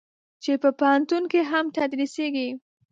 چې په پوهنتون کې هم تدریسېږي.